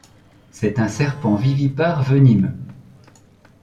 C'est un serpent vivipare venimeux.